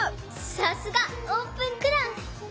さすがオープンクラス！